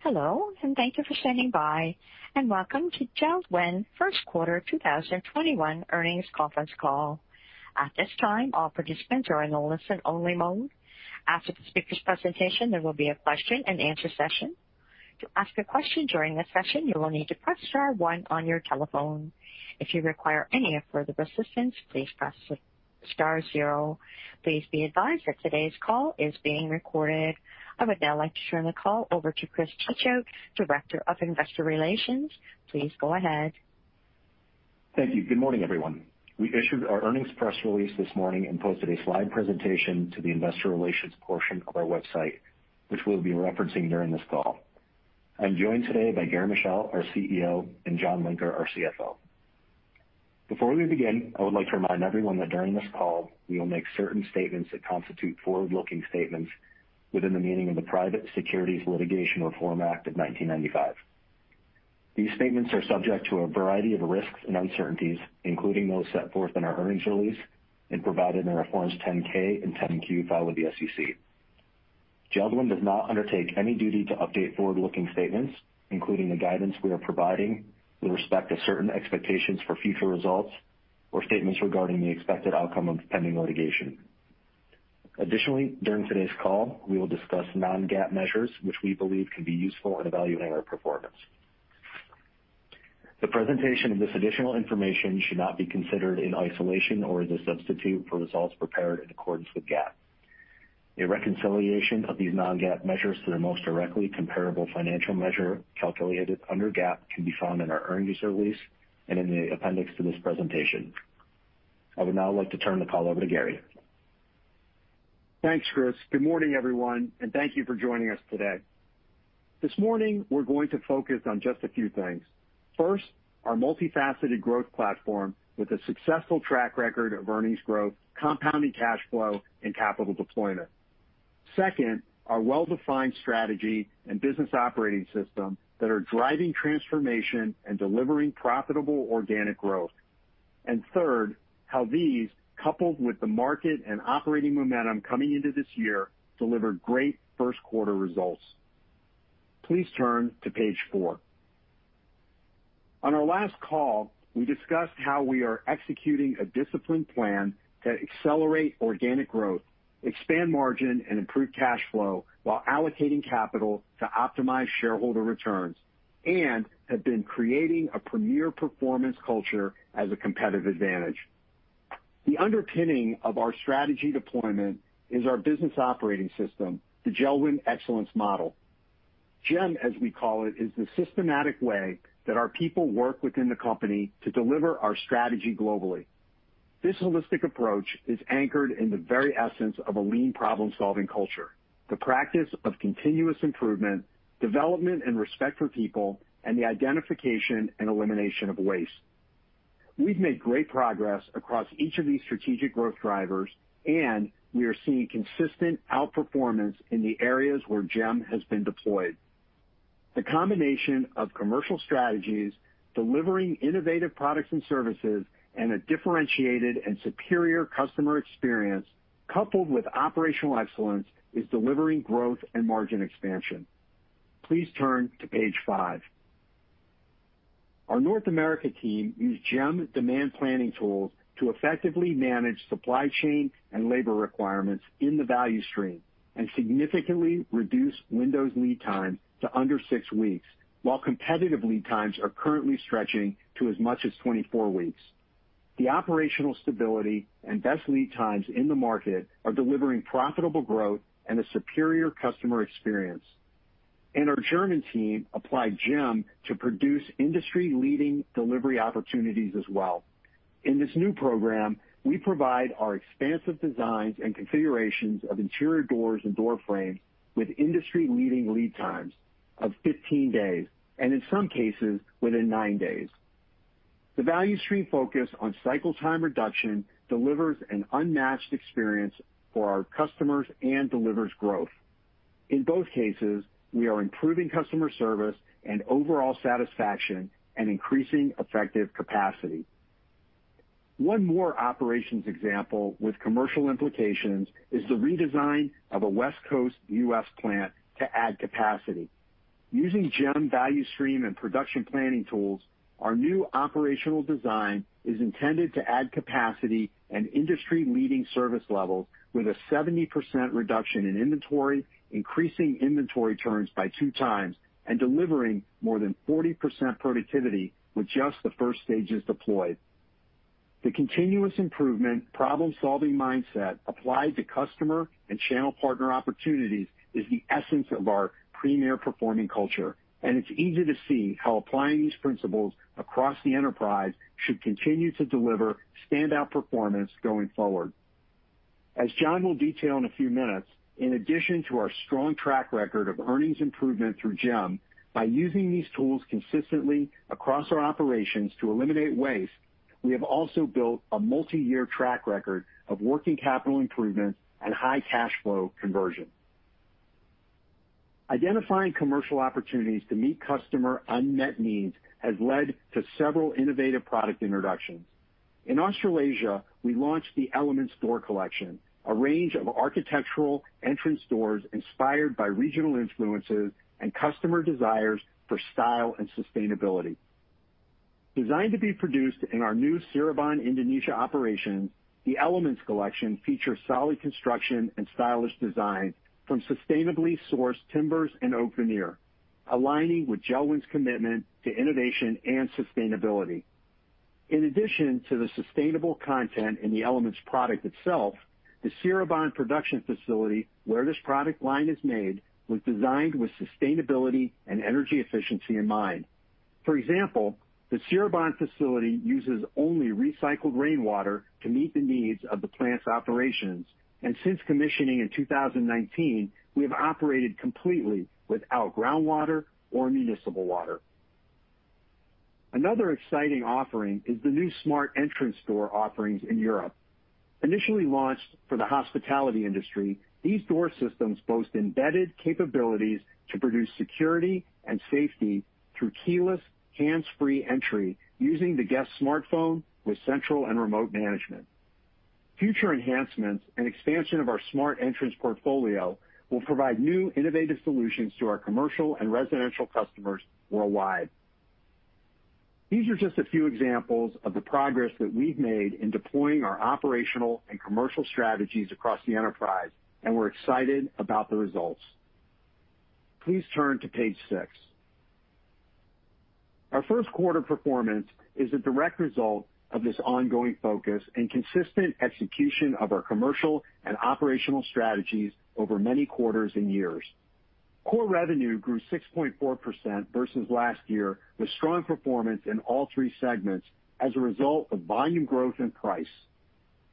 Hello, and thank you for standing by, and welcome to JELD-WEN First Quarter 2021 earnings conference call. I would now like to turn the call over to Chris Teachout, Director of Investor Relations. Please go ahead. Thank you. Good morning, everyone. We issued our earnings press release this morning and posted a slide presentation to the investor relations portion of our website, which we'll be referencing during this call. I'm joined today by Gary Michel, our CEO, and John Linker, our CFO. Before we begin, I would like to remind everyone that during this call, we will make certain statements that constitute forward-looking statements within the meaning of the Private Securities Litigation Reform Act of 1995. These statements are subject to a variety of risks and uncertainties, including those set forth in our earnings release and provided in our forms 10-K and 10-Q filed with the SEC. Jeld-Wen does not undertake any duty to update forward-looking statements, including the guidance we are providing with respect to certain expectations for future results or statements regarding the expected outcome of pending litigation. Additionally, during today's call, we will discuss non-GAAP measures, which we believe can be useful in evaluating our performance. The presentation of this additional information should not be considered in isolation or as a substitute for results prepared in accordance with GAAP. A reconciliation of these non-GAAP measures to the most directly comparable financial measure calculated under GAAP can be found in our earnings release and in the appendix to this presentation. I would now like to turn the call over to Gary. Thanks, Chris. Good morning, everyone, and thank you for joining us today. This morning, we're going to focus on just a few things. First, our multifaceted growth platform with a successful track record of earnings growth, compounding cash flow, and capital deployment. Second, our well-defined strategy and business operating system that are driving transformation and delivering profitable organic growth. Third, how these, coupled with the market and operating momentum coming into this year, delivered great first quarter results. Please turn to page four. On our last call, we discussed how we are executing a disciplined plan to accelerate organic growth, expand margin, and improve cash flow while allocating capital to optimize shareholder returns, and have been creating a premier performance culture as a competitive advantage. The underpinning of our strategy deployment is our business operating system, the JELD-WEN Excellence Model. GEM, as we call it, is the systematic way that our people work within the company to deliver our strategy globally. This holistic approach is anchored in the very essence of a lean problem-solving culture, the practice of continuous improvement, development and respect for people, and the identification and elimination of waste. We've made great progress across each of these strategic growth drivers, and we are seeing consistent outperformance in the areas where GEM has been deployed. The combination of commercial strategies, delivering innovative products and services, and a differentiated and superior customer experience, coupled with operational excellence, is delivering growth and margin expansion. Please turn to page five. Our North America team used GEM demand planning tools to effectively manage supply chain and labor requirements in the value stream and significantly reduce windows lead time to under six weeks, while competitive lead times are currently stretching to as much as 24 weeks. The operational stability and best lead times in the market are delivering profitable growth and a superior customer experience. Our German team applied GEM to produce industry-leading delivery opportunities as well. In this new program, we provide our expansive designs and configurations of interior doors and door frames with industry-leading lead times of 15 days, and in some cases, within nine days. The value stream focus on cycle time reduction delivers an unmatched experience for our customers and delivers growth. In both cases, we are improving customer service and overall satisfaction and increasing effective capacity. One more operations example with commercial implications is the redesign of a West Coast U.S. plant to add capacity. Using GEM value stream and production planning tools, our new operational design is intended to add capacity and industry-leading service levels with a 70% reduction in inventory, increasing inventory turns by two times, and delivering more than 40% productivity with just the first stages deployed. The continuous improvement problem-solving mindset applied to customer and channel partner opportunities is the essence of our premier performing culture, and it's easy to see how applying these principles across the enterprise should continue to deliver standout performance going forward. As John will detail in a few minutes, in addition to our strong track record of earnings improvement through JEM, by using these tools consistently across our operations to eliminate waste, we have also built a multi-year track record of working capital improvement and high cash flow conversion. Identifying commercial opportunities to meet customer unmet needs has led to several innovative product introductions. In Australasia, we launched the Elements Collection, a range of architectural entrance doors inspired by regional influences and customer desires for style and sustainability. Designed to be produced in our new Cirebon, Indonesia operation, the Elements Collection features solid construction and stylish design from sustainably sourced timbers and oak veneer, aligning with JELD-WEN's commitment to innovation and sustainability. In addition to the sustainable content in the Elements product itself, the Cirebon production facility, where this product line is made, was designed with sustainability and energy efficiency in mind. For example, the Cirebon facility uses only recycled rainwater to meet the needs of the plant's operations. Since commissioning in 2019, we have operated completely without groundwater or municipal water. Another exciting offering is the new smart entrance door offerings in Europe. Initially launched for the hospitality industry, these door systems boast embedded capabilities to produce security and safety through keyless, hands-free entry using the guest's smartphone with central and remote management. Future enhancements and expansion of our smart entrance portfolio will provide new, innovative solutions to our commercial and residential customers worldwide. These are just a few examples of the progress that we've made in deploying our operational and commercial strategies across the enterprise, and we're excited about the results. Please turn to page six. Our first quarter performance is a direct result of this ongoing focus and consistent execution of our commercial and operational strategies over many quarters and years. Core revenue grew 6.4% versus last year, with strong performance in all three segments as a result of volume growth and price.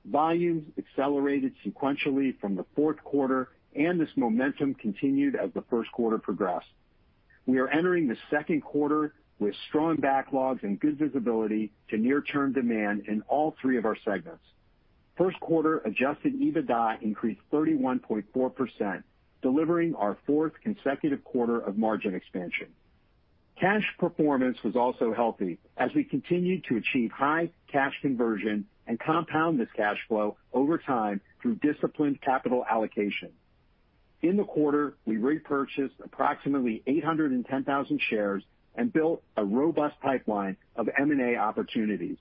Volumes accelerated sequentially from the fourth quarter, and this momentum continued as the first quarter progressed. We are entering the second quarter with strong backlogs and good visibility to near-term demand in all three of our segments. First quarter adjusted EBITDA increased 31.4%, delivering our fourth consecutive quarter of margin expansion. Cash performance was also healthy as we continued to achieve high cash conversion and compound this cash flow over time through disciplined capital allocation. In the quarter, we repurchased approximately 810,000 shares and built a robust pipeline of M&A opportunities.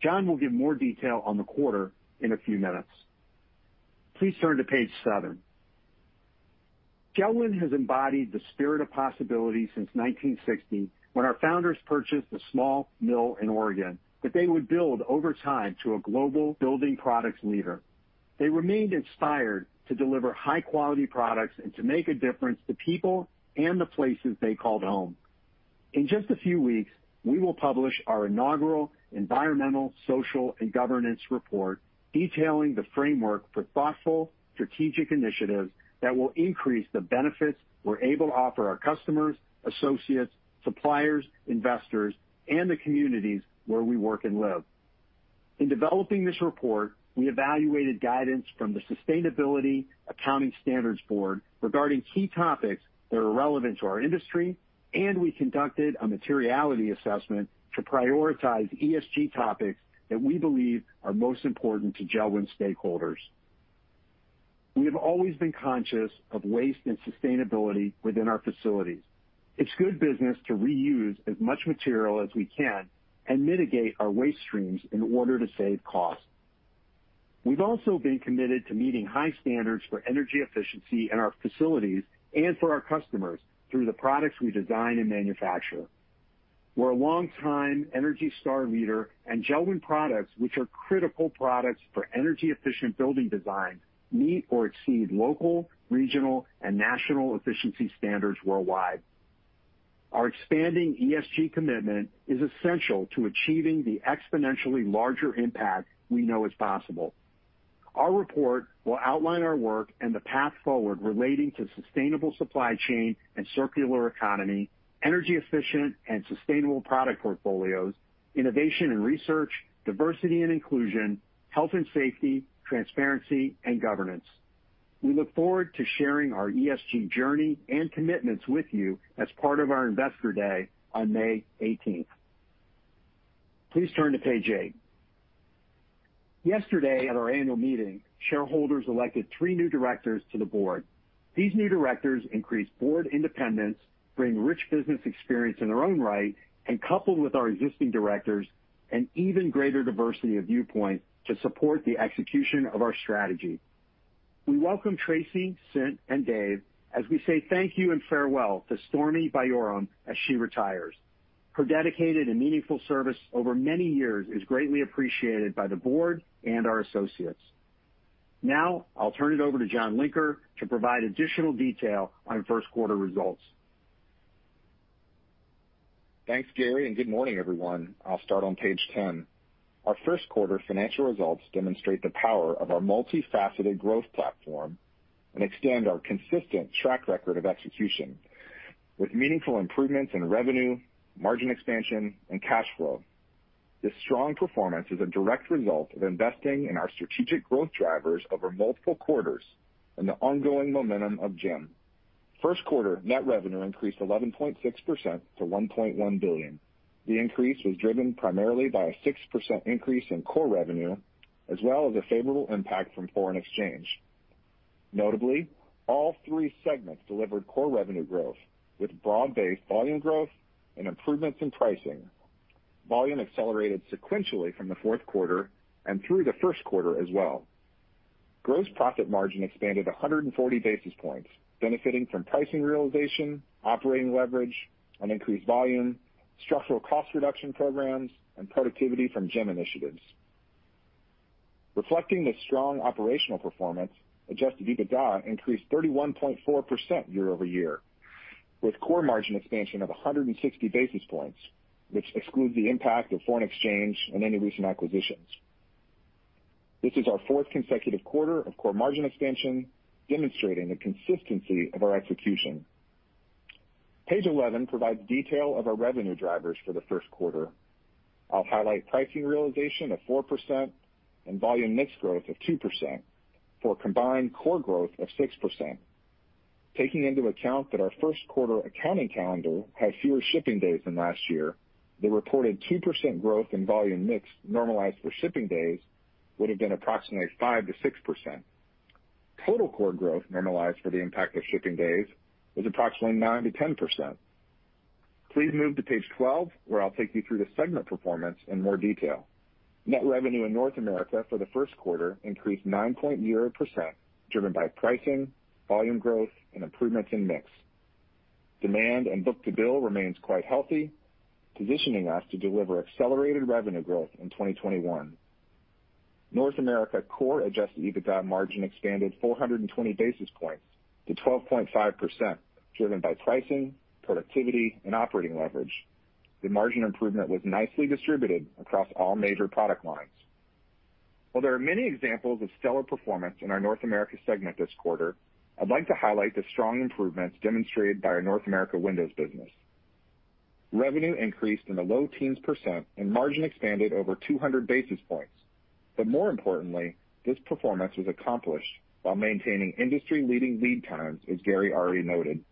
John will give more detail on the quarter in a few minutes. Please turn to page seven. JELD-WEN has embodied the spirit of possibility since 1960, when our founders purchased a small mill in Oregon that they would build over time to a global building products leader. They remained inspired to deliver high-quality products and to make a difference to people and the places they called home. In just a few weeks, we will publish our inaugural environmental, social, and governance report detailing the framework for thoughtful, strategic initiatives that will increase the benefits we're able to offer our customers, associates, suppliers, investors, and the communities where we work and live. In developing this report, we evaluated guidance from the Sustainability Accounting Standards Board regarding key topics that are relevant to our industry, and we conducted a materiality assessment to prioritize ESG topics that we believe are most important to JELD-WEN stakeholders. We have always been conscious of waste and sustainability within our facilities. It's good business to reuse as much material as we can and mitigate our waste streams in order to save costs. We've also been committed to meeting high standards for energy efficiency in our facilities and for our customers through the products we design and manufacture. We're a longtime ENERGY STAR leader, and JELD-WEN products, which are critical products for energy-efficient building design, meet or exceed local, regional, and national efficiency standards worldwide. Our expanding ESG commitment is essential to achieving the exponentially larger impact we know is possible. Our report will outline our work and the path forward relating to sustainable supply chain and circular economy, energy efficient and sustainable product portfolios, innovation in research, diversity and inclusion, health and safety, transparency, and governance. We look forward to sharing our ESG journey and commitments with you as part of our Investor Day on May 18th. Please turn to page eight. Yesterday at our annual meeting, shareholders elected three new directors to the board. These new directors increase board independence, bring rich business experience in their own right, and coupled with our existing directors, an even greater diversity of viewpoint to support the execution of our strategy. We welcome Tracy, Cynthia, and Dave as we say thank you and farewell to Stormy Byorum as she retires. Her dedicated and meaningful service over many years is greatly appreciated by the board and our associates. I'll turn it over to John Linker to provide additional detail on first quarter results. Thanks, Gary, good morning, everyone. I'll start on page 10. Our first quarter financial results demonstrate the power of our multifaceted growth platform and extend our consistent track record of execution with meaningful improvements in revenue, margin expansion, and cash flow. This strong performance is a direct result of investing in our strategic growth drivers over multiple quarters and the ongoing momentum of JEM. First quarter net revenue increased 11.6% to $1.1 billion. The increase was driven primarily by a 6% increase in core revenue, as well as a favorable impact from foreign exchange. Notably, all three segments delivered core revenue growth, with broad-based volume growth and improvements in pricing. Volume accelerated sequentially from the fourth quarter and through the first quarter as well. Gross profit margin expanded 140 basis points, benefiting from pricing realization, operating leverage, and increased volume, structural cost reduction programs, and productivity from JEM initiatives. Reflecting the strong operational performance, adjusted EBITDA increased 31.4% year-over-year, with core margin expansion of 160 basis points, which excludes the impact of foreign exchange and any recent acquisitions. This is our fourth consecutive quarter of core margin expansion, demonstrating the consistency of our execution. Page 11 provides detail of our revenue drivers for the first quarter. I'll highlight pricing realization of 4% and volume mix growth of 2% for a combined core growth of 6%. Taking into account that our first quarter accounting calendar had fewer shipping days than last year, the reported 2% growth in volume mix normalized for shipping days would have been approximately 5%-6%. Total core growth normalized for the impact of shipping days was approximately 9%-10%. Please move to page 12, where I'll take you through the segment performance in more detail. Net revenue in North America for the first quarter increased 9.0%, driven by pricing, volume growth, and improvements in mix. Demand and book-to-bill remains quite healthy, positioning us to deliver accelerated revenue growth in 2021. North America core adjusted EBITDA margin expanded 420 basis points to 12.5%, driven by pricing, productivity, and operating leverage. The margin improvement was nicely distributed across all major product lines. While there are many examples of stellar performance in our North America segment this quarter, I'd like to highlight the strong improvements demonstrated by our North America Windows business. Revenue increased in the low teens percent and margin expanded over 200 basis points. More importantly, this performance was accomplished while maintaining industry-leading lead times, as Gary already noted.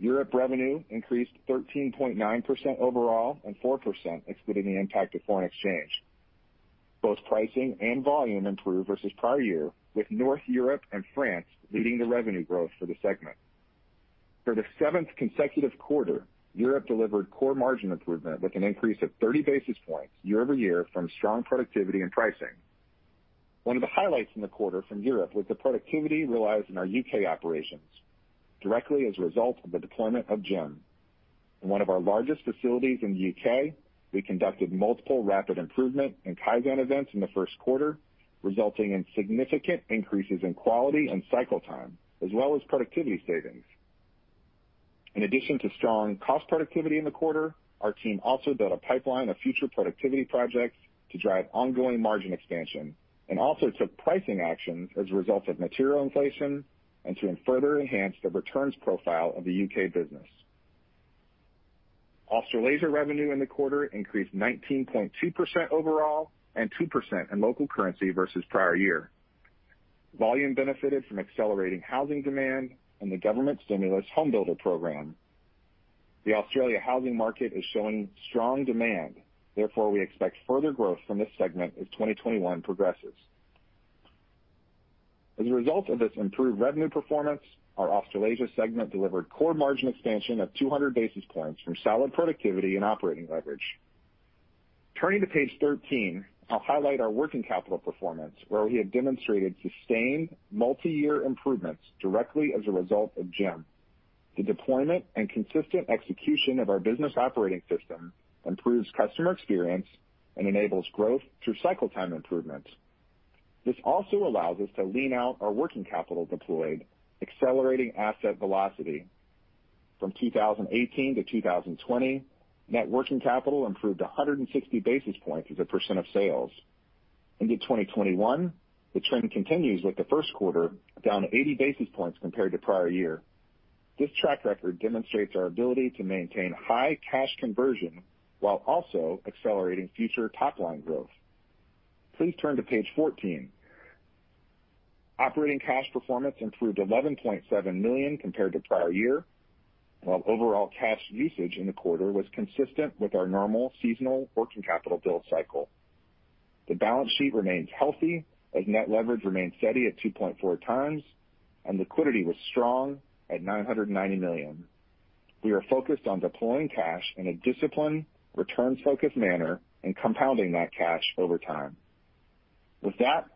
Europe revenue increased 13.9% overall and 4% excluding the impact of foreign exchange. Both pricing and volume improved versus prior year, with North Europe and France leading the revenue growth for the segment. For the seventh consecutive quarter, Europe delivered core margin improvement with an increase of 30 basis points year-over-year from strong productivity and pricing. One of the highlights in the quarter from Europe was the productivity realized in our U.K. operations, directly as a result of the deployment of JEM. In one of our largest facilities in the U.K., we conducted multiple rapid improvement and Kaizen events in the first quarter, resulting in significant increases in quality and cycle time, as well as productivity savings. In addition to strong cost productivity in the quarter, our team also built a pipeline of future productivity projects to drive ongoing margin expansion and also took pricing actions as a result of material inflation and to further enhance the returns profile of the U.K. business. Australasia revenue in the quarter increased 19.2% overall and 2% in local currency versus prior year. Volume benefited from accelerating housing demand and the government stimulus HomeBuilder program. The Australia housing market is showing strong demand. We expect further growth from this segment as 2021 progresses. As a result of this improved revenue performance, our Australasia segment delivered core margin expansion of 200 basis points from solid productivity and operating leverage. Turning to page 13, I'll highlight our working capital performance, where we have demonstrated sustained multi-year improvements directly as a result of JEM. The deployment and consistent execution of our business operating system improves customer experience and enables growth through cycle time improvements. This also allows us to lean out our working capital deployed, accelerating asset velocity. From 2018 to 2020, net working capital improved 160 basis points as a percent of sales. Into 2021, the trend continues with the first quarter down 80 basis points compared to prior year. This track record demonstrates our ability to maintain high cash conversion while also accelerating future top-line growth. Please turn to page 14. Operating cash performance improved $11.7 million compared to prior year, while overall cash usage in the quarter was consistent with our normal seasonal working capital bill cycle. The balance sheet remains healthy as net leverage remains steady at 2.4x, and liquidity was strong at $990 million. We are focused on deploying cash in a disciplined, returns-focused manner and compounding that cash over time. With that,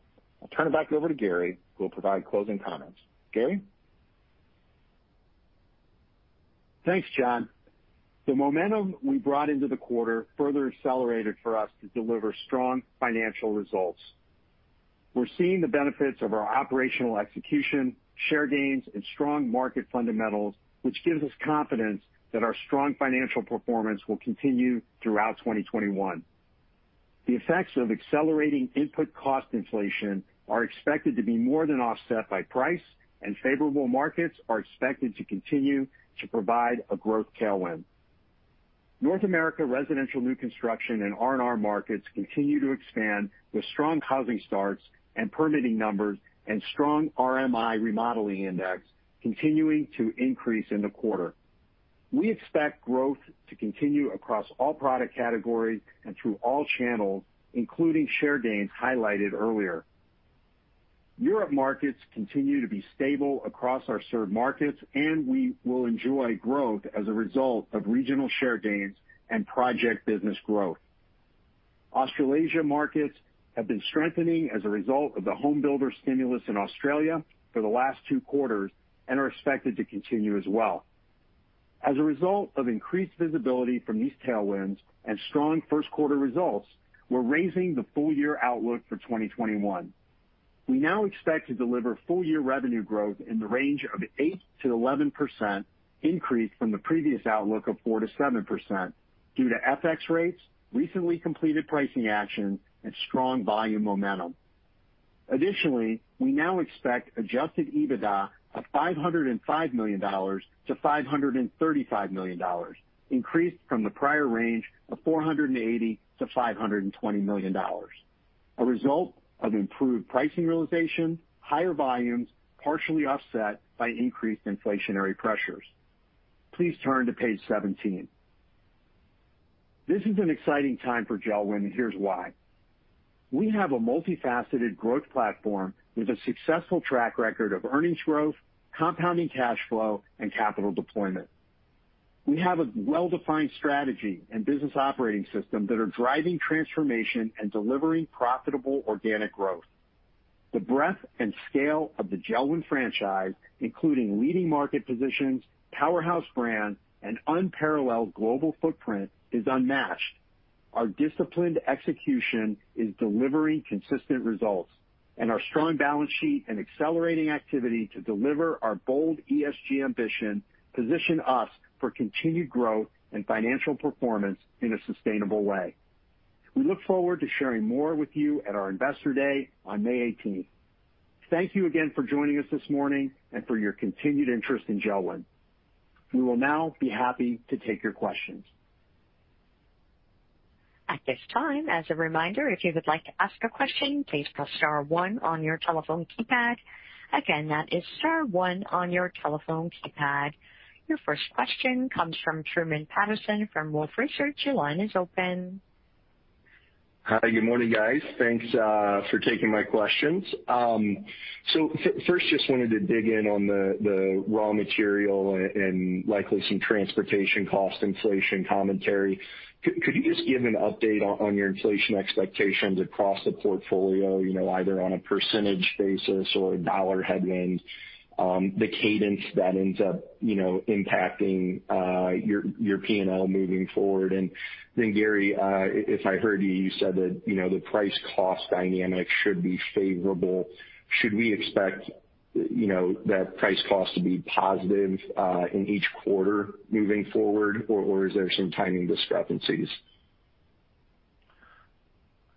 I'll turn it back over to Gary, who will provide closing comments. Gary? Thanks, John. The momentum we brought into the quarter further accelerated for us to deliver strong financial results. We're seeing the benefits of our operational execution, share gains, and strong market fundamentals, which gives us confidence that our strong financial performance will continue throughout 2021. The effects of accelerating input cost inflation are expected to be more than offset by price. Favorable markets are expected to continue to provide a growth tailwind. North America residential new construction and R&R markets continue to expand with strong housing starts and permitting numbers and strong RMI remodeling index continuing to increase in the quarter. We expect growth to continue across all product categories and through all channels, including share gains highlighted earlier. Europe markets continue to be stable across our served markets. We will enjoy growth as a result of regional share gains and project business growth. Australasia markets have been strengthening as a result of the HomeBuilder stimulus in Australia for the last two quarters and are expected to continue as well. As a result of increased visibility from these tailwinds and strong first quarter results, we're raising the full year outlook for 2021. We now expect to deliver full year revenue growth in the range of 8%-11%, increased from the previous outlook of 4%-7%, due to FX rates, recently completed pricing action, and strong volume momentum. Additionally, we now expect adjusted EBITDA of $505 million-$535 million, increased from the prior range of $480 million-$520 million, a result of improved pricing realization, higher volumes, partially offset by increased inflationary pressures. Please turn to page 17. This is an exciting time for JELD-WEN, and here's why. We have a multifaceted growth platform with a successful track record of earnings growth, compounding cash flow, and capital deployment. We have a well-defined strategy and business operating system that are driving transformation and delivering profitable organic growth. The breadth and scale of the JELD-WEN franchise, including leading market positions, powerhouse brands, and unparalleled global footprint, is unmatched. Our disciplined execution is delivering consistent results, and our strong balance sheet and accelerating activity to deliver our bold ESG ambition position us for continued growth and financial performance in a sustainable way. We look forward to sharing more with you at our Investor Day on May 18th. Thank you again for joining us this morning and for your continued interest in JELD-WEN. We will now be happy to take your questions. At this time, as a reminder, if you would like to ask a question, please press star one on your telephone keypad. Again, that is star one on your telephone keypad. Your first question comes from Truman Patterson from Wolfe Research. Your line is open. Hi, good morning, guys. Thanks for taking my questions. First, just wanted to dig in on the raw material and likely some transportation cost inflation commentary. Could you just give an update on your inflation expectations across the portfolio, either on a percentage basis or a dollar headwind, the cadence that ends up impacting your P&L moving forward? Then, Gary, if I heard you said that the price-cost dynamic should be favorable. Should we expect that price cost to be positive in each quarter moving forward, or is there some timing discrepancies?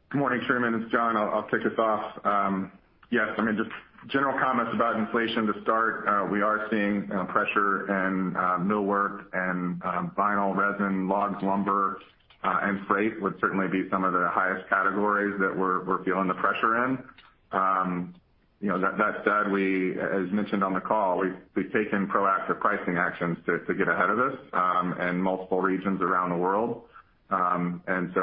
Good morning, Truman. It's John. I'll kick us off. Yes, just general comments about inflation to start. We are seeing pressure in millwork and vinyl resin, logs, lumber, and freight would certainly be some of the highest categories that we're feeling the pressure in. That said, as mentioned on the call, we've taken proactive pricing actions to get ahead of this in multiple regions around the world.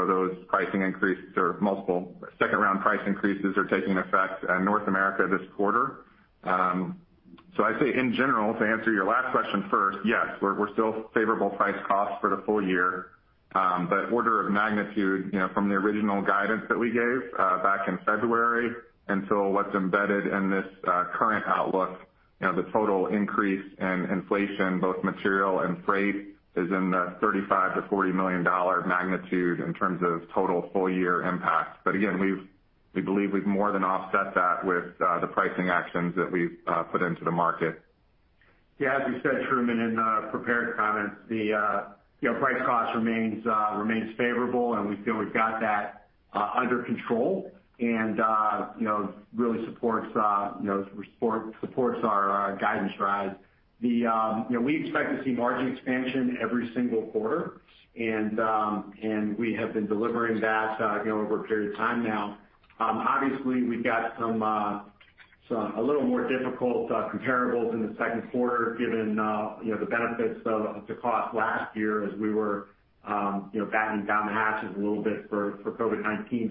Those pricing increases, or multiple second-round price increases, are taking effect in North America this quarter. I'd say in general, to answer your last question first, yes, we're still favorable price cost for the full year. Order of magnitude from the original guidance that we gave back in February until what's embedded in this current outlook, the total increase in inflation, both material and freight, is in the $35 million- $40 million magnitude in terms of total full year impact. Again, we believe we've more than offset that with the pricing actions that we've put into the market. Yeah, as we said, Truman, in the prepared comments, the price cost remains favorable, and we feel we've got that under control, and really supports our guidance rise. We expect to see margin expansion every single quarter, and we have been delivering that over a period of time now. Obviously, we've got a little more difficult comparables in the second quarter given the benefits of the cost last year as we were battening down the hatches a little bit for COVID-19.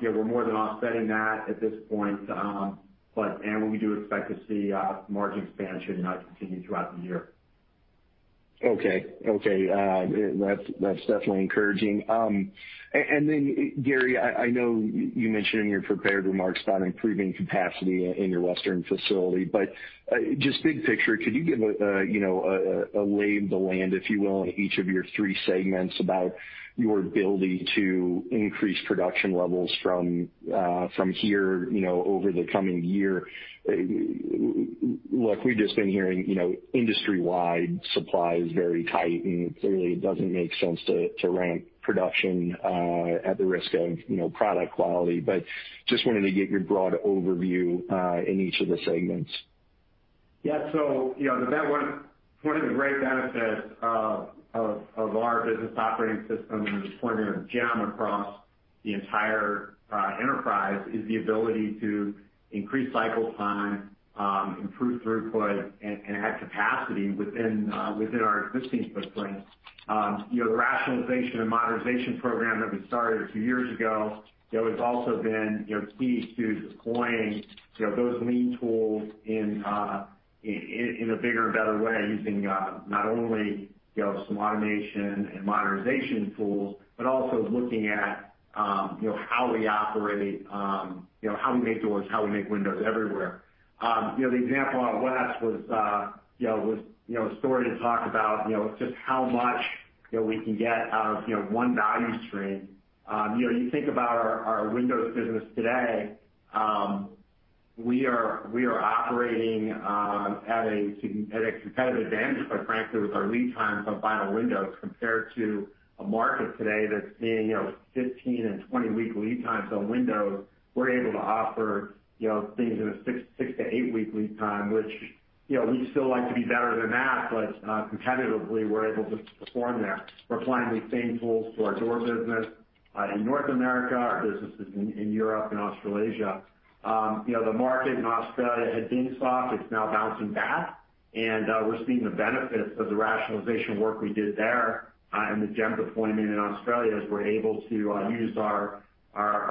We're more than offsetting that at this point. We do expect to see margin expansion continue throughout the year. Okay. That's definitely encouraging. Gary, I know you mentioned in your prepared remarks about improving capacity in your western facility, but just big picture, could you give a lay of the land, if you will, on each of your three segments about your ability to increase production levels from here over the coming year? Look, we've just been hearing industry-wide supply is very tight, and it clearly doesn't make sense to ramp production at the risk of product quality. Just wanted to get your broad overview in each of the segments. One of the great benefits of our business operating system and the deployment of JEM across the entire enterprise is the ability to increase cycle time, improve throughput, and add capacity within our existing footprint. The rationalization and modernization program that we started a few years ago has also been key to deploying those lean tools in a bigger and better way, using not only some automation and modernization tools, but also looking at how we operate, how we make doors, how we make windows everywhere. The example out west was a story to talk about just how much we can get out of one value stream. You think about our windows business today, we are operating at a competitive advantage, quite frankly, with our lead times on vinyl windows compared to a market today that's seeing 15-week and 20-week lead times on windows. We're able to offer things in a six- to eight-week lead time, which we'd still like to be better than that, competitively, we're able to perform there. We're applying these same tools to our door business in North America, our businesses in Europe, and Australasia. The market in Australia had been soft, it's now bouncing back, we're seeing the benefits of the rationalization work we did there and the JEM deployment in Australia, as we're able to use our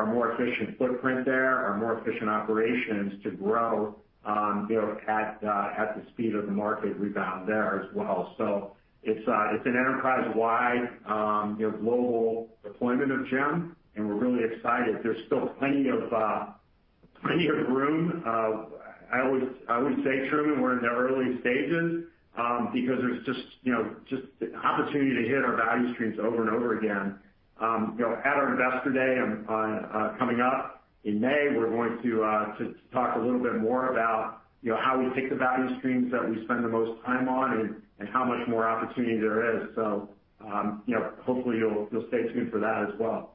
more efficient footprint there, our more efficient operations to grow at the speed of the market rebound there as well. It's an enterprise-wide, global deployment of JEM, and we're really excited. There's still plenty of room. I would say, Truman, we're in the early stages, because there's just the opportunity to hit our value streams over and over again. At our investor day coming up in May, we're going to talk a little bit more about how we pick the value streams that we spend the most time on and how much more opportunity there is. Hopefully, you'll stay tuned for that as well.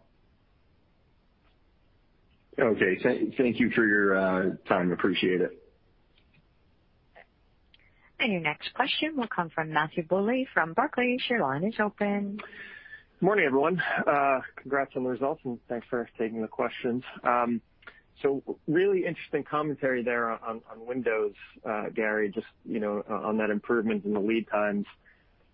Okay. Thank you for your time. Appreciate it. Your next question will come from Matthew Bouley from Barclays. Your line is open. Morning, everyone. Congrats on the results, and thanks for taking the questions. Really interesting commentary there on Windows, Gary, just on that improvement in the lead times.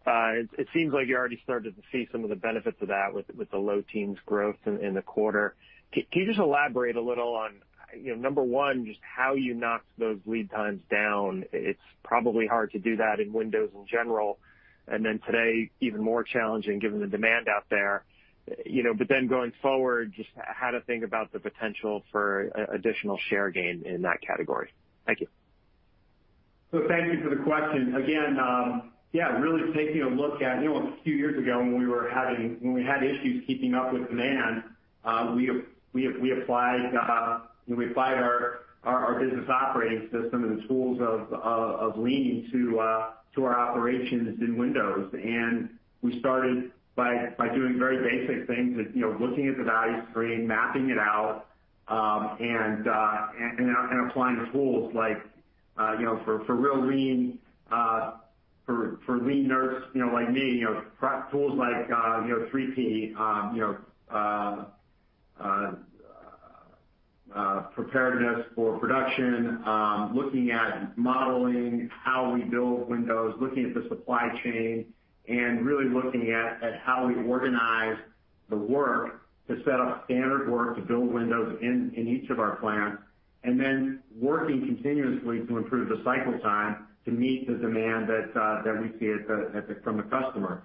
It seems like you already started to see some of the benefits of that with the low teens growth in the quarter. Can you just elaborate a little on, number one, just how you knocked those lead times down? It's probably hard to do that in Windows in general, and then today, even more challenging given the demand out there. Going forward, just how to think about the potential for additional share gain in that category. Thank you. Thank you for the question. Again, really taking a look at a few years ago when we had issues keeping up with demand, we applied our business operating system and the tools of leaning to our operations in windows. We started by doing very basic things with looking at the value stream, mapping it out, and applying tools like for real lean nerds like me, tools like 3P, preparedness for production, looking at modeling how we build windows, looking at the supply chain, and really looking at how we organize the work to set up standard work to build windows in each of our plants. Working continuously to improve the cycle time to meet the demand that we see from the customer.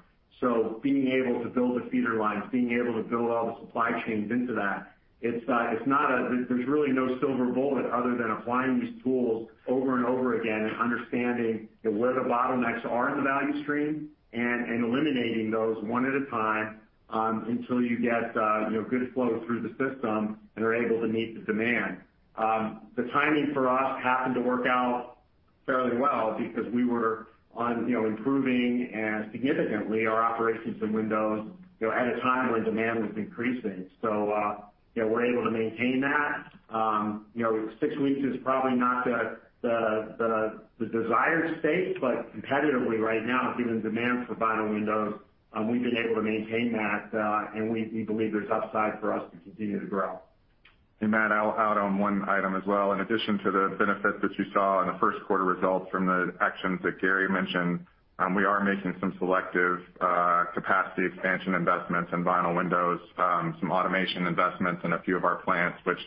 Being able to build the feeder lines, being able to build all the supply chains into that. There's really no silver bullet other than applying these tools over and over again and understanding where the bottlenecks are in the value stream and eliminating those one at a time until you get good flow through the system and are able to meet the demand. The timing for us happened to work out fairly well because we were on improving and significantly our operations in windows at a time when demand was increasing. We're able to maintain that. Six weeks is probably not the desired state, but competitively right now, given demand for vinyl windows, we've been able to maintain that, and we believe there's upside for us to continue to grow. Matt, I'll add on one item as well. In addition to the benefits that you saw in the first quarter results from the actions that Gary mentioned, we are making some selective capacity expansion investments in vinyl windows, some automation investments in a few of our plants, which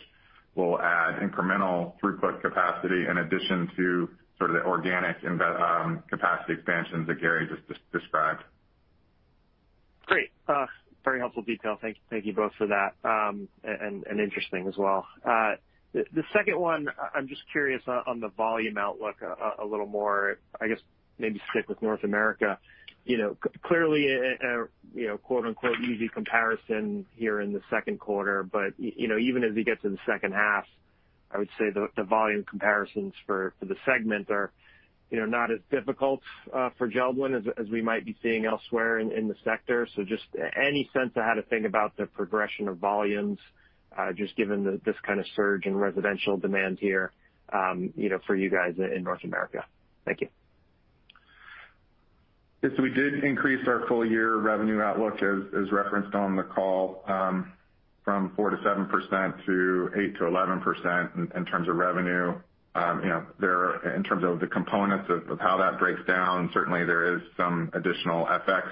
will add incremental throughput capacity in addition to sort of the organic capacity expansions that Gary just described. Great. Very helpful detail. Thank you both for that, and interesting as well. The second one, I'm just curious on the volume outlook a little more, I guess maybe stick with North America. Clearly, quote unquote, "easy comparison" here in the second quarter, but even as we get to the second half, I would say the volume comparisons for the segment are not as difficult for JELD-WEN as we might be seeing elsewhere in the sector. Just any sense of how to think about the progression of volumes, just given this kind of surge in residential demand here for you guys in North America. Thank you. Yes, we did increase our full year revenue outlook as referenced on the call, from 4%-7%, to 8%-11%, in terms of revenue. In terms of the components of how that breaks down, certainly there is some additional FX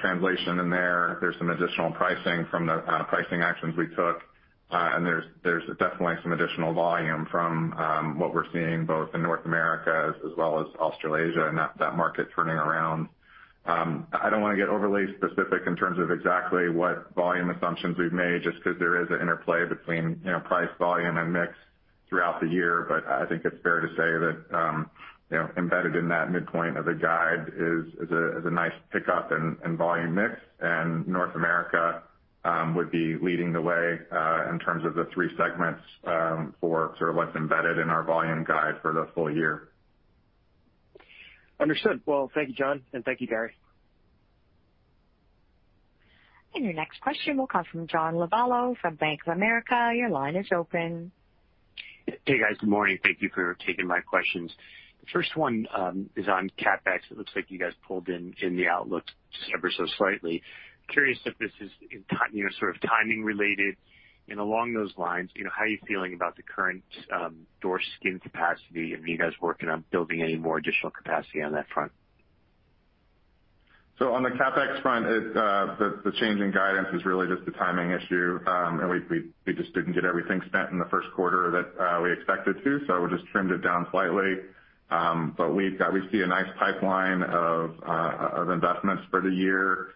translation in there. There's some additional pricing from the pricing actions we took. There's definitely some additional volume from what we're seeing, both in North America as well as Australasia, and that market turning around. I don't want to get overly specific in terms of exactly what volume assumptions we've made, just because there is an interplay between price, volume, and mix throughout the year. I think it's fair to say that embedded in that midpoint of the guide is a nice pickup in volume mix. North America would be leading the way in terms of the three segments for what's embedded in our volume guide for the full year. Understood. Well, thank you, John, and thank you, Gary. Your next question will come from John Lovallo from Bank of America. Your line is open. Hey, guys. Good morning. Thank you for taking my questions. The first one is on CapEx. It looks like you guys pulled in the outlook just ever so slightly. Curious if this is timing related. Along those lines, how are you feeling about the current door skin capacity? Are you guys working on building any more additional capacity on that front? On the CapEx front, the change in guidance is really just a timing issue. We just didn't get everything spent in the first quarter that we expected to, so we just trimmed it down slightly. We see a nice pipeline of investments for the year,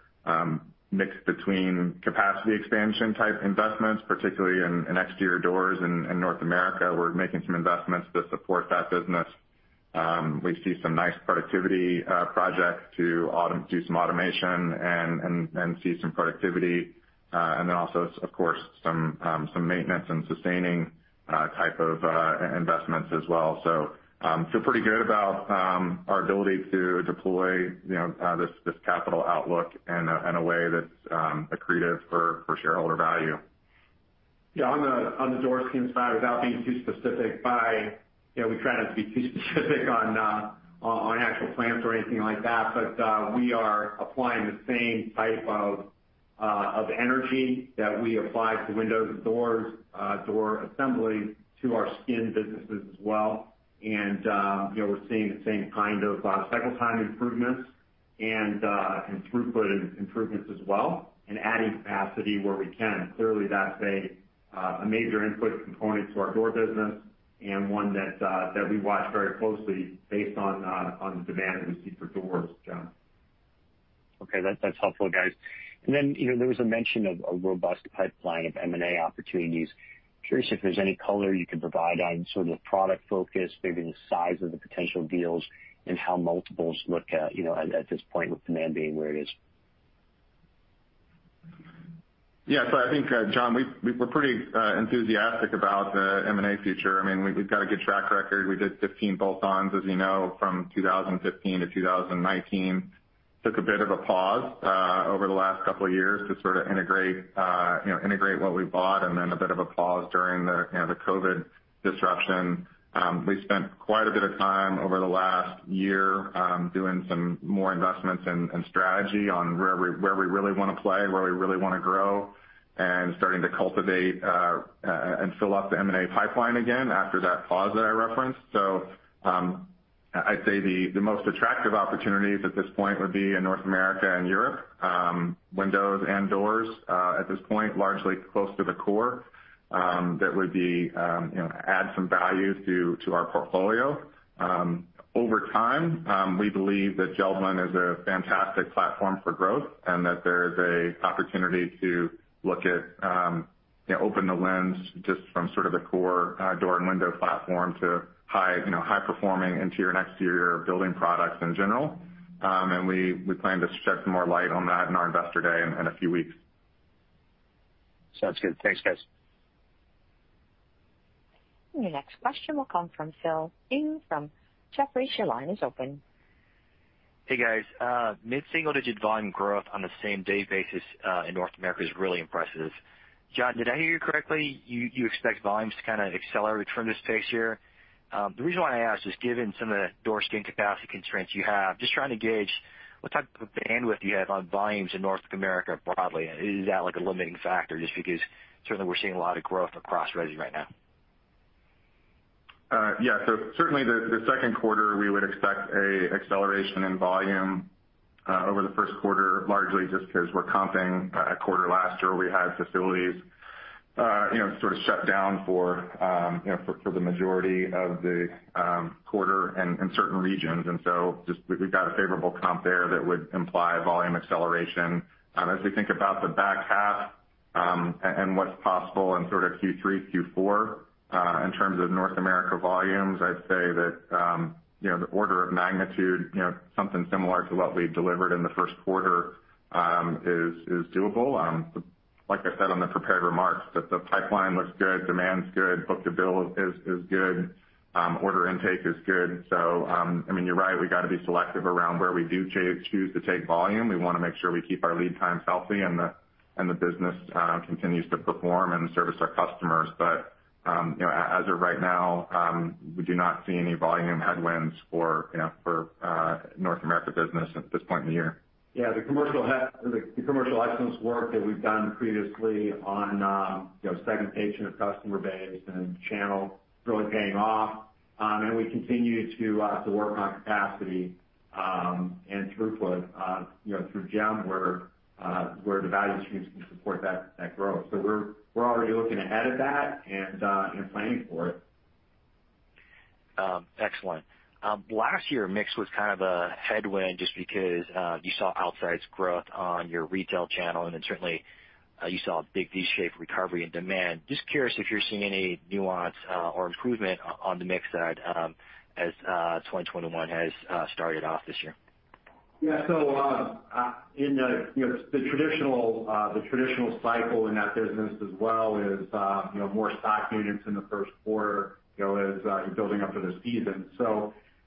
mixed between capacity expansion type investments, particularly in exterior doors in North America. We're making some investments to support that business. We see some nice productivity projects to do some automation and see some productivity. Also, of course, some maintenance and sustaining type of investments as well. Feel pretty good about our ability to deploy this capital outlook in a way that's accretive for shareholder value. Yeah. On the door skin side, without being too specific, we try not to be too specific on actual plans or anything like that, but we are applying the same type of energy that we apply to windows and door assembly to our skin businesses as well. We're seeing the same kind of cycle time improvements and throughput improvements as well, and adding capacity where we can. Clearly, that's a major input component to our door business and one that we watch very closely based on the demand that we see for doors, John. Okay. That's helpful, guys. There was a mention of a robust pipeline of M&A opportunities. Curious if there's any color you could provide on sort of the product focus, maybe the size of the potential deals, and how multiples look at this point with demand being where it is? Yeah. I think, John, we're pretty enthusiastic about the M&A future. We've got a good track record. We did 15 bolt-ons, as you know, from 2015 to 2019. Took a bit of a pause over the last couple of years to sort of integrate what we bought, and then a bit of a pause during the COVID disruption. We spent quite a bit of time over the last year doing some more investments in strategy on where we really want to play, where we really want to grow, and starting to cultivate and fill up the M&A pipeline again after that pause that I referenced. I'd say the most attractive opportunities at this point would be in North America and Europe. Windows and doors at this point, largely close to the core, that would add some value to our portfolio. Over time, we believe that JELD-WEN is a fantastic platform for growth, and that there's an opportunity to open the lens just from sort of the core door and window platform to high-performing interior and exterior building products in general. We plan to shed some more light on that in our investor day in a few weeks. Sounds good. Thanks, guys. Your next question will come from Philip Ng from Jefferies. Your line is open. Hey, guys. Mid-single-digit volume growth on a same-day basis in North America is really impressive. John, did I hear you correctly? You expect volumes to kind of accelerate from this pace here? The reason why I ask is given some of the door skin capacity constraints you have, just trying to gauge what type of bandwidth you have on volumes in North America broadly. Is that a limiting factor? Just because certainly we're seeing a lot of growth across resi right now. Yeah. Certainly the second quarter, we would expect an acceleration in volume over the first quarter, largely just because we're comping a quarter last year we had facilities shut down for the majority of the quarter in certain regions. We've got a favorable comp there that would imply volume acceleration. As we think about the back half and what's possible in Q3, Q4 in terms of North America volumes, I'd say that the order of magnitude, something similar to what we delivered in the first quarter is doable. Like I said on the prepared remarks. The pipeline looks good, demand's good, book-to-bill is good. Order intake is good. You're right, we've got to be selective around where we do choose to take volume. We want to make sure we keep our lead times healthy and the business continues to perform and service our customers. As of right now, we do not see any volume headwinds for North America business at this point in the year. Yeah. The commercial license work that we've done previously on segmentation of customer base and channel is really paying off. We continue to work on capacity, and throughput, through GEM, where the value streams can support that growth. We're already looking ahead at that and planning for it. Excellent. Last year, mix was kind of a headwind just because you saw outsized growth on your retail channel, and then certainly you saw a big V-shaped recovery in demand. Just curious if you're seeing any nuance or improvement on the mix side as 2021 has started off this year? Yeah. The traditional cycle in that business as well is more stock units in the first quarter, as you're building up for the season.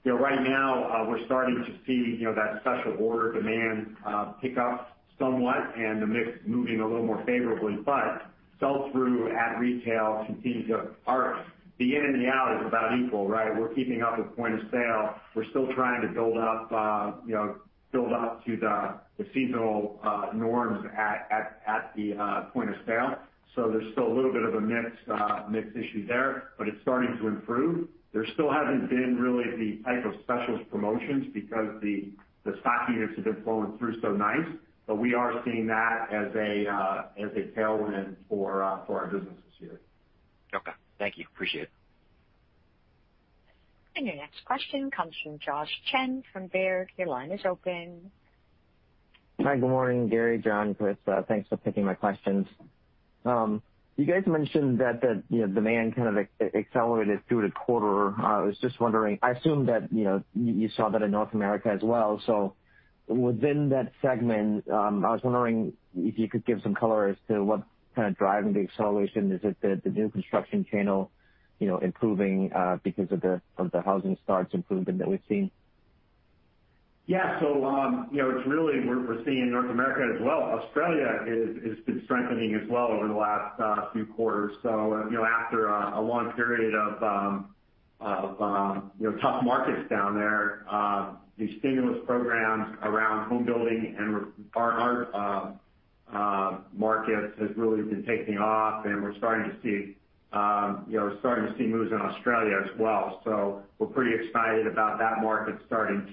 Right now, we're starting to see that special order demand pick up somewhat and the mix moving a little more favorably, but sell-through at retail ARC, the in and the out is about equal, right? We're keeping up with point of sale. We're still trying to build up to the seasonal norms at the point of sale. There's still a little bit of a mix issue there, but it's starting to improve. There still hasn't been really the type of specials promotions because the stock units have been flowing through so nice. We are seeing that as a tailwind for our business this year. Okay. Thank you. Appreciate it. Your next question comes from Josh Chan from Baird. Your line is open. Hi, good morning, Gary, John, Chris. Thanks for taking my questions. You guys mentioned that demand kind of accelerated through the quarter. I was just wondering, I assume that you saw that in North America as well. Within that segment, I was wondering if you could give some color as to what's kind of driving the acceleration. Is it the new construction channel improving because of the housing starts improvement that we've seen? Yeah. It's really we're seeing North America as well. Australia has been strengthening as well over the last few quarters. After a long period of tough markets down there, the stimulus programs around home building and our markets has really been taking off and we're starting to see moves in Australia as well. We're pretty excited about that market starting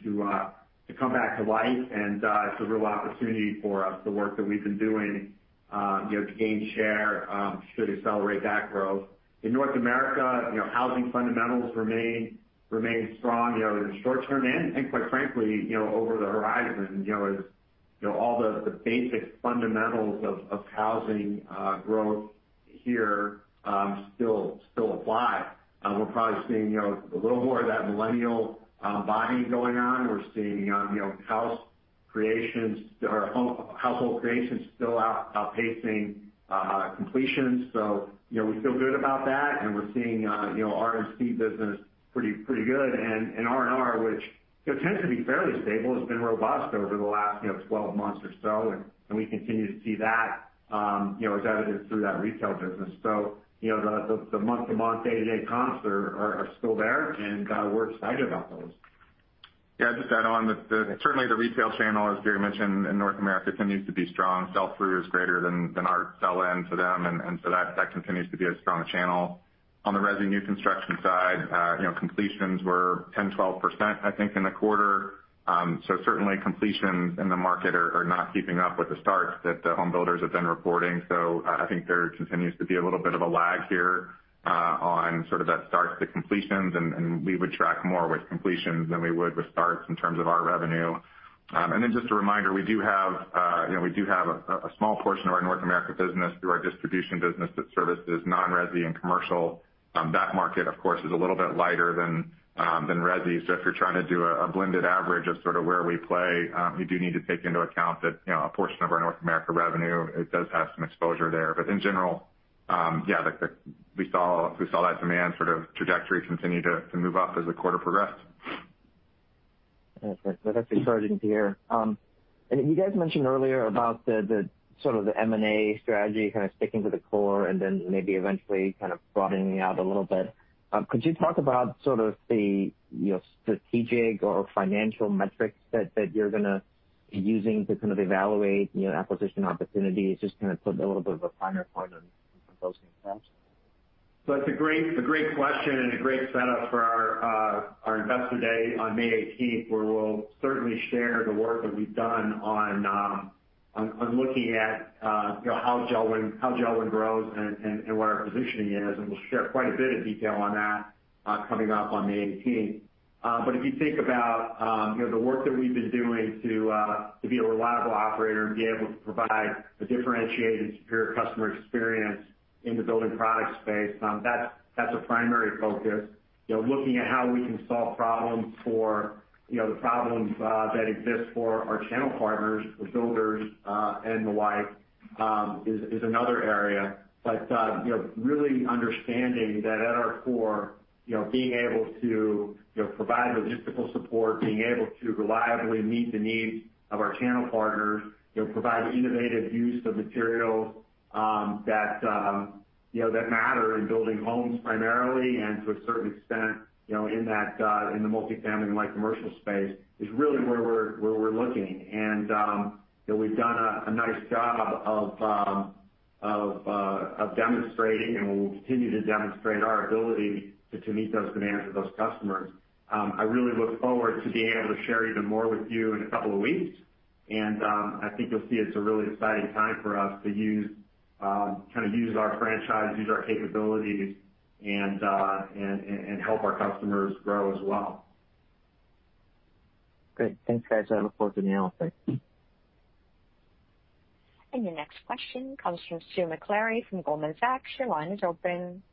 to come back to life and it's a real opportunity for us. The work that we've been doing to gain share should accelerate that growth. In North America, housing fundamentals remain strong in the short term and I think quite frankly, over the horizon, as all the basic fundamentals of housing growth here still apply. We're probably seeing a little more of that millennial buying going on. We're seeing household creations still outpacing completions. We feel good about that and we're seeing our RC business pretty good. R&R which tends to be fairly stable, has been robust over the last 12 months or so and we continue to see that as evidenced through that retail business. The month-to-month, day-to-day comps are still there and we're excited about those. Yeah, just add on that certainly the retail channel as Gary mentioned in North America continues to be strong. Sell-through is greater than our sell-in to them. That continues to be a strong channel. On the resi new construction side, completions were 10%, 12%, I think in the quarter. Certainly completions in the market are not keeping up with the starts that the home builders have been reporting. I think there continues to be a little bit of a lag here on sort of that starts to completions and we would track more with completions than we would with starts in terms of our revenue. Just a reminder, we do have a small portion of our North America business through our distribution business that services non-resi and commercial. That market of course is a little bit lighter than resi. If you're trying to do a blended average of sort of where we play, you do need to take into account that a portion of our North America revenue, it does have some exposure there. In general, yeah, we saw that demand sort of trajectory continue to move up as the quarter progressed. That's encouraging to hear. You guys mentioned earlier about the sort of the M&A strategy kind of sticking to the core and then maybe eventually kind of broadening out a little bit. Could you talk about sort of the strategic or financial metrics that you're going to be using to kind of evaluate acquisition opportunities? Just kind of put a little bit of a finer point on those impacts. That's a great question and a great setup for our Investor Day on May 18th where we'll certainly share the work that we've done on looking at how Jeld-Wen grows and what our positioning is, and we'll share quite a bit of detail on that coming up on the 18th. If you think about the work that we've been doing to be a reliable operator and be able to provide a differentiated, superior customer experience in the building product space, that's a primary focus. Looking at how we can solve the problems that exist for our channel partners, the builders, and the like is another area. Really understanding that at our core, being able to provide logistical support, being able to reliably meet the needs of our channel partners, provide innovative use of materials that matter in building homes primarily, and to a certain extent in the multi-family and light commercial space, is really where we're looking. We've done a nice job of demonstrating, and we will continue to demonstrate our ability to meet those demands of those customers. I really look forward to being able to share even more with you in a couple of weeks. I think you'll see it's a really exciting time for us to use our franchise, use our capabilities, and help our customers grow as well. Great. Thanks, guys. I look forward to the analysis. Your next question comes from Susan Maklari from Goldman Sachs. Your line is open.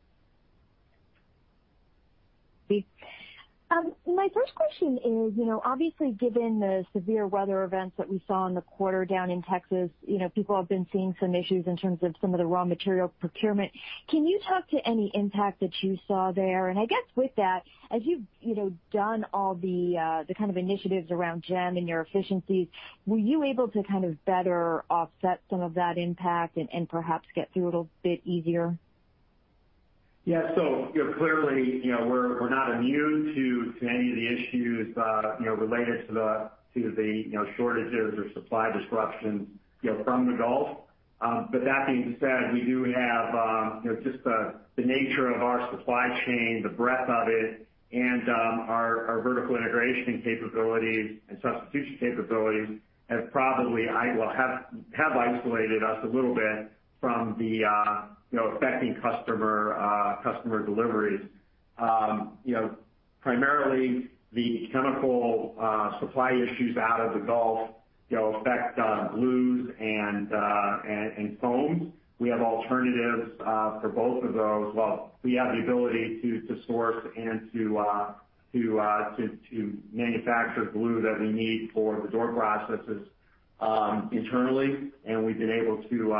Sue. My first question is, obviously given the severe weather events that we saw in the quarter down in Texas, people have been seeing some issues in terms of some of the raw material procurement. Can you talk to any impact that you saw there? I guess with that, as you've done all the kind of initiatives around JEM and your efficiencies, were you able to kind of better offset some of that impact and perhaps get through a little bit easier? Yeah. Clearly, we're not immune to any of the issues related to the shortages or supply disruptions from the Gulf. That being said, we do have just the nature of our supply chain, the breadth of it, and our vertical integration capabilities and substitution capabilities have isolated us a little bit from affecting customer deliveries. Primarily, the chemical supply issues out of the Gulf affect glues and foams. We have alternatives for both of those. Well, we have the ability to source and to manufacture glue that we need for the door processes internally, and we've been able to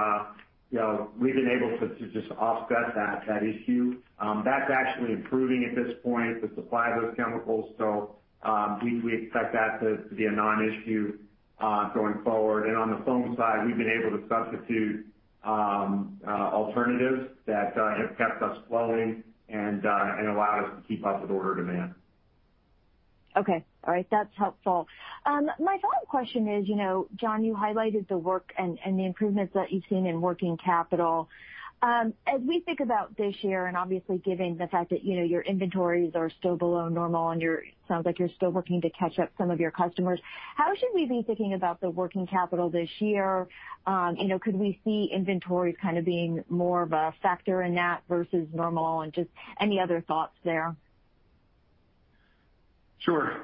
just offset that issue. That's actually improving at this point, the supply of those chemicals. We expect that to be a non-issue going forward. On the foam side, we've been able to substitute alternatives that have kept us flowing and allowed us to keep up with order demand. Okay. All right. That's helpful. My follow-up question is, John, you highlighted the work and the improvements that you've seen in working capital. As we think about this year, and obviously given the fact that your inventories are still below normal and it sounds like you're still working to catch up some of your customers, how should we be thinking about the working capital this year? Could we see inventories kind of being more of a factor in that versus normal? Just any other thoughts there? Sure.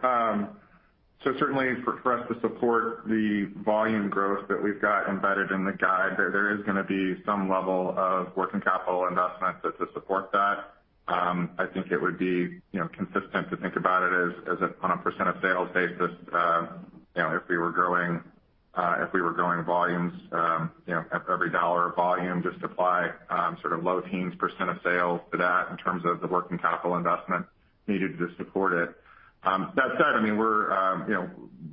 Certainly for us to support the volume growth that we've got embedded in the guide there is going to be some level of working capital investment to support that. I think it would be consistent to think about it on a percent of sales basis. If we were growing volumes, at every dollar of volume, just apply low teens percent of sales to that in terms of the working capital investment needed to support it. That said,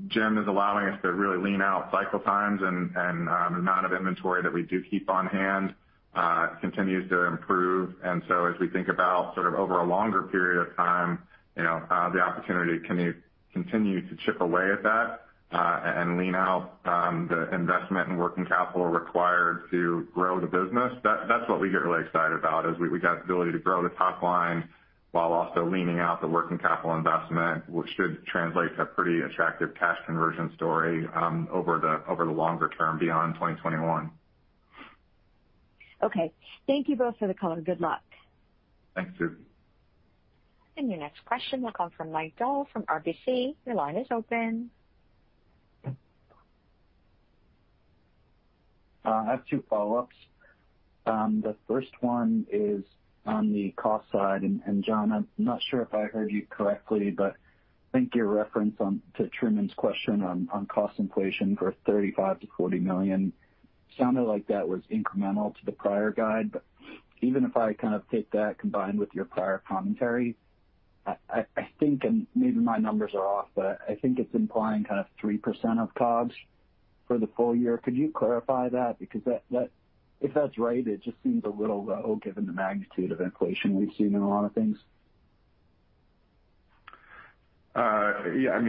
JEM is allowing us to really lean out cycle times, and amount of inventory that we do keep on hand continues to improve. As we think about over a longer period of time, the opportunity to continue to chip away at that and lean out the investment in working capital required to grow the business, that's what we get really excited about, is we got the ability to grow the top line while also leaning out the working capital investment, which should translate to a pretty attractive cash conversion story over the longer term beyond 2021. Okay. Thank you both for the call, and good luck. Thanks, Susan. Your next question will come from Mike Dahl from RBC. Your line is open. I have two follow-ups. The first one is on the cost side. John, I'm not sure if I heard you correctly, but I think your reference to Truman's question on cost inflation for $35 million-$40 million sounded like that was incremental to the prior guide. Even if I kind of take that combined with your prior commentary, I think, and maybe my numbers are off, but I think it's implying kind of 3% of COGS for the full year. Could you clarify that? If that's right, it just seems a little low given the magnitude of inflation we've seen in a lot of things. Yeah.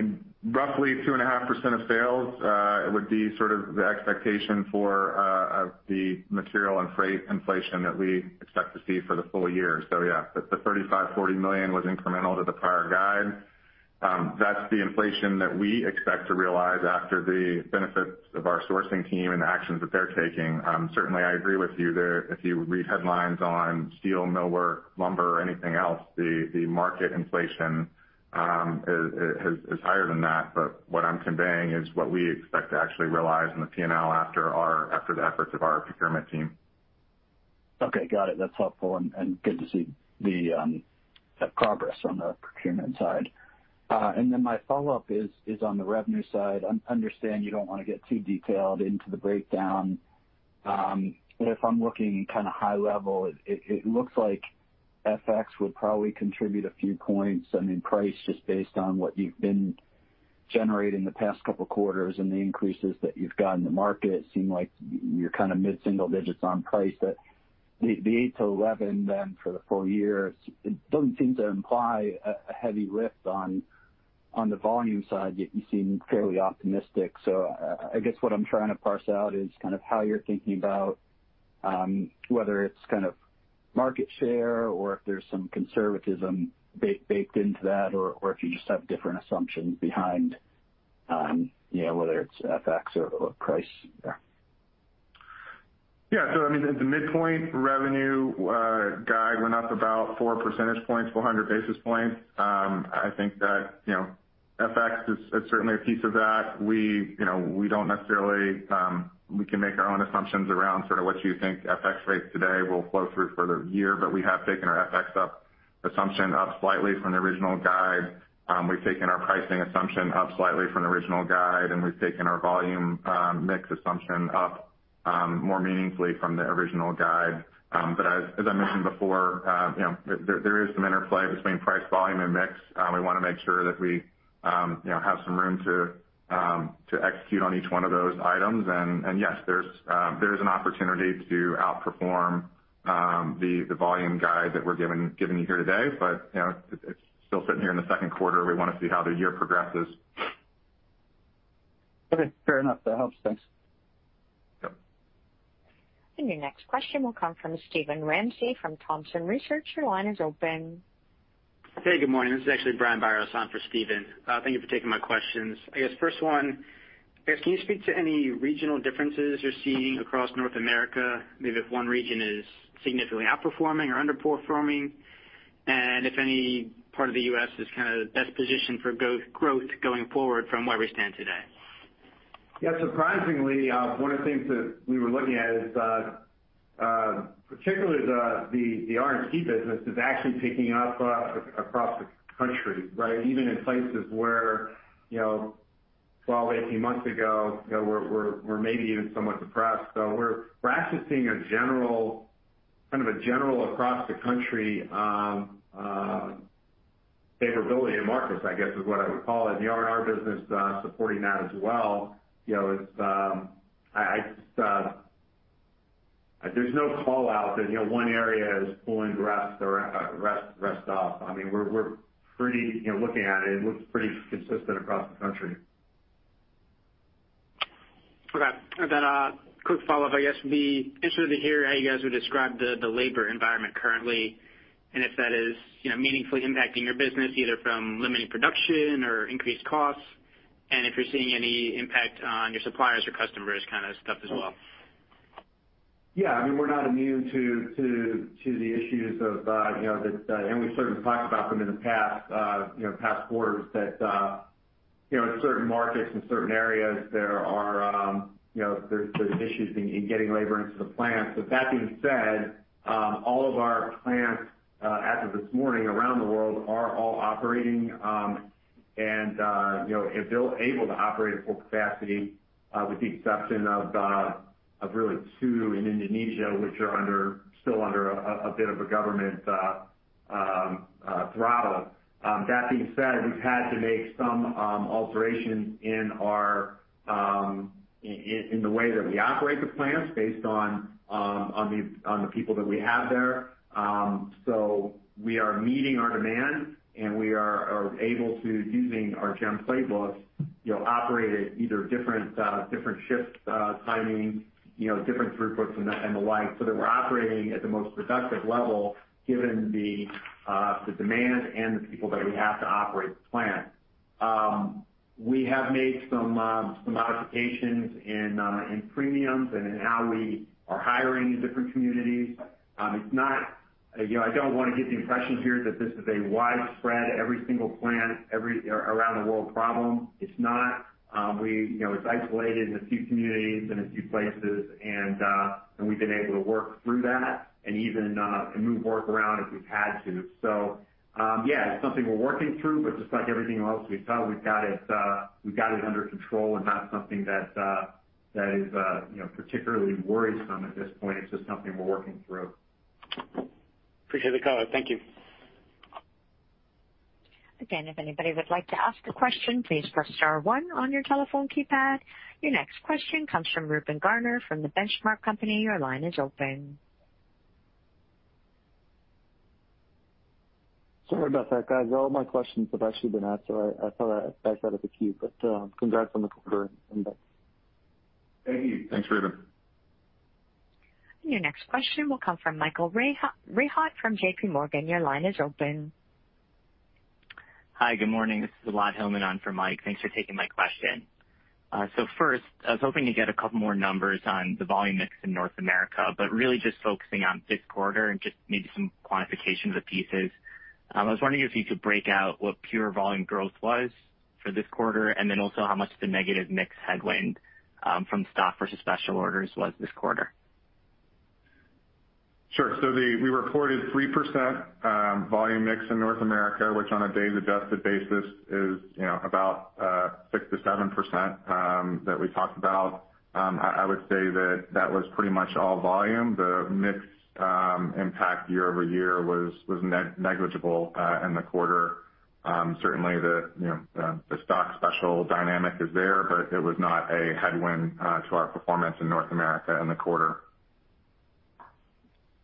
Roughly 2.5% of sales would be sort of the expectation for the material and freight inflation that we expect to see for the full year. Yeah, the $35 million-$40 million was incremental to the prior guide. That's the inflation that we expect to realize after the benefits of our sourcing team and the actions that they're taking. Certainly, I agree with you there. If you read headlines on steel, millwork, lumber, or anything else, the market inflation is higher than that. What I'm conveying is what we expect to actually realize in the P&L after the efforts of our procurement team. Okay, got it. That's helpful and good to see the progress on the procurement side. My follow-up is on the revenue side. I understand you don't want to get too detailed into the breakdown. If I'm looking kind of high level, it looks like FX would probably contribute a few points. I mean, price, just based on what you've been generating the past couple of quarters and the increases that you've got in the market seem like you're kind of mid-single digits on price. The eight to 11 then for the full year, it doesn't seem to imply a heavy lift on the volume side, yet you seem fairly optimistic. I guess what I'm trying to parse out is kind of how you're thinking about whether it's kind of market share or if there's some conservatism baked into that, or if you just have different assumptions behind whether it's FX or price there. I mean, the midpoint revenue guide went up about four percentage points, 400 basis points. I think that FX is certainly a piece of that. We can make our own assumptions around sort of what you think FX rates today will flow through for the year. We have taken our FX assumption up slightly from the original guide. We've taken our pricing assumption up slightly from the original guide, and we've taken our volume mix assumption up more meaningfully from the original guide. As I mentioned before there is some interplay between price, volume, and mix. We want to make sure that we have some room to execute on each one of those items. Yes, there's an opportunity to outperform the volume guide that we're giving you here today. It's still sitting here in the second quarter. We want to see how the year progresses. Okay, fair enough. That helps. Thanks. Yep. Your next question will come from Steven Ramsey from Thompson Research. Your line is open. Hey, good morning. This is actually Brian Biros on for Steven Ramsey. Thank you for taking my questions. I guess first one, can you speak to any regional differences you're seeing across North America, maybe if one region is significantly outperforming or underperforming? If any part of the U.S. is kind of best positioned for growth going forward from where we stand today? Surprisingly, one of the things that we were looking at is particularly the R&R business is actually picking up across the country, right? Even in places where 12, 18 months ago were maybe even somewhat depressed. We're actually seeing a general across the country favorability in markets, I guess, is what I would call it. The R&R business supporting that as well. There's no call-out that one area is pulling the rest up. I mean, looking at it looks pretty consistent across the country. Okay. A quick follow-up, I guess, would be interested to hear how you guys would describe the labor environment currently, and if that is meaningfully impacting your business, either from limiting production or increased costs. If you're seeing any impact on your suppliers or customers kind of stuff as well. Yeah. I mean, we're not immune to the issues of that, and we've certainly talked about them in the past quarters that in certain markets and certain areas, there's issues in getting labor into the plants. That being said, all of our plants as of this morning around the world are all operating. They're able to operate at full capacity with the exception of really two in Indonesia, which are still under a bit of a government throttle. That being said, we've had to make some alterations in the way that we operate the plants based on the people that we have there. We are meeting our demand, and we are able to, using our JEM playbook, operate at either different shift timings, different throughputs, and the like, so that we're operating at the most productive level given the demand and the people that we have to operate the plant. We have made some modifications in premiums and in how we are hiring in different communities. I don't want to give the impression here that this is a widespread, every single plant, around the world problem. It's not. It's isolated in a few communities and a few places, and we've been able to work through that and even move work around if we've had to. Yeah, it's something we're working through, but just like everything else we've talked, we've got it under control and not something that is particularly worrisome at this point. It's just something we're working through. Appreciate the color. Thank you. Again, if anybody would like to ask a question, please press star one on your telephone keypad. Your next question comes from Reuben Garner from The Benchmark Company. Your line is open. Sorry about that, guys. All my questions have actually been answered. I thought I backed out of the queue. Congrats on the quarter and the books. Thank you. Thanks, Reuben. Your next question will come from Michael Rehaut from JPMorgan. Your line is open. Hi, good morning. This is Rahul Shah on for Mike. Thanks for taking my question. First, I was hoping to get a couple more numbers on the volume mix in North America, but really just focusing on this quarter and just maybe some quantification of the pieces. I was wondering if you could break out what pure volume growth was for this quarter, and then also how much the negative mix headwind from stock versus special orders was this quarter. Sure. We reported 3% volume mix in North America, which on a day-adjusted basis is about 6%-7% that we talked about. I would say that that was pretty much all volume. The mix impact year-over-year was negligible in the quarter. Certainly the stock special dynamic is there, but it was not a headwind to our performance in North America in the quarter.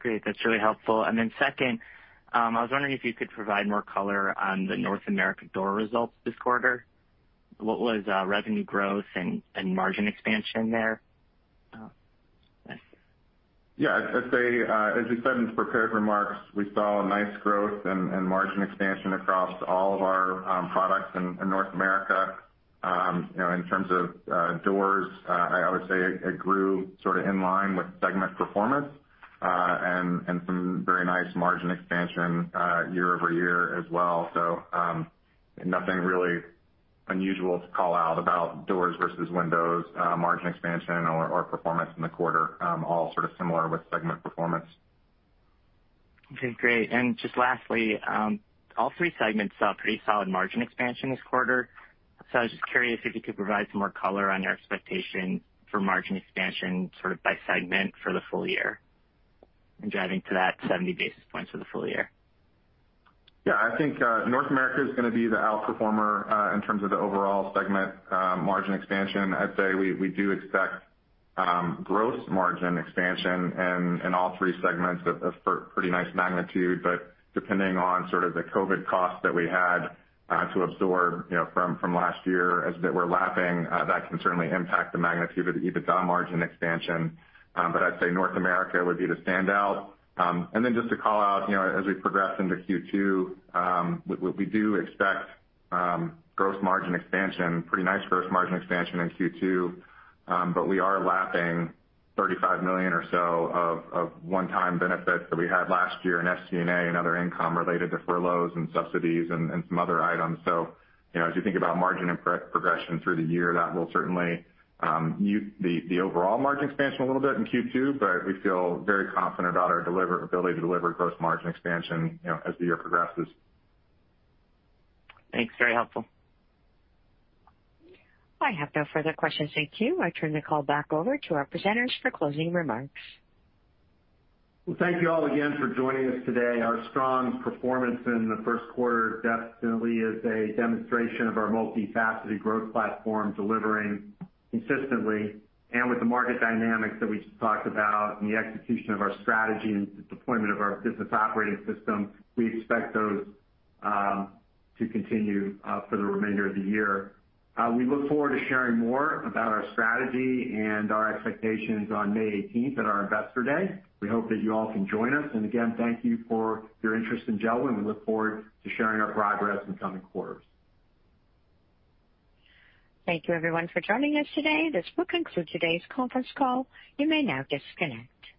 Great. That's really helpful. Second, I was wondering if you could provide more color on the North America door results this quarter. What was revenue growth and margin expansion there? Yeah. I'd say, as we said in the prepared remarks, we saw a nice growth and margin expansion across all of our products in North America. In terms of doors, I would say it grew sort of in line with segment performance, and some very nice margin expansion year-over-year as well. Nothing really unusual to call out about doors versus windows margin expansion or performance in the quarter. All sort of similar with segment performance. Okay, great. Just lastly, all three segments saw pretty solid margin expansion this quarter. I was just curious if you could provide some more color on your expectation for margin expansion sort of by segment for the full year and driving to that 70 basis points for the full year. Yeah, I think North America is going to be the outperformer in terms of the overall segment margin expansion. I'd say we do expect gross margin expansion in all three segments of pretty nice magnitude, but depending on sort of the COVID costs that we had to absorb from last year as we're lapping, that can certainly impact the magnitude of the EBITDA margin expansion. I'd say North America would be the standout. Just to call out as we progress into Q2, we do expect pretty nice gross margin expansion in Q2. We are lapping $35 million or so of one-time benefits that we had last year in SG&A and other income related to furloughs and subsidies and some other items. As you think about margin progression through the year, that will certainly mute the overall margin expansion a little bit in Q2. We feel very confident about our ability to deliver gross margin expansion as the year progresses. Thanks, very helpful. I have no further questions. Thank you. I turn the call back over to our presenters for closing remarks. Well, thank you all again for joining us today. Our strong performance in the first quarter definitely is a demonstration of our multifaceted growth platform delivering consistently, and with the market dynamics that we just talked about and the execution of our strategy and deployment of our business operating system, we expect those to continue for the remainder of the year. We look forward to sharing more about our strategy and our expectations on May 18th at our Investor Day. We hope that you all can join us, and again, thank you for your interest in JELD-WEN. We look forward to sharing our progress in coming quarters. Thank you everyone for joining us today. This will conclude today's conference call. You may now disconnect.